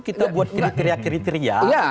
kita buat kriteria kriteria